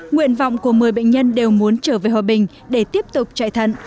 nguyện vọng của một mươi bệnh nhân đều muốn trở về hòa bình để tiếp tục chạy thận